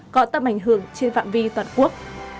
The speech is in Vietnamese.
có tầm ảnh hưởng trên phạm vi toàn quốc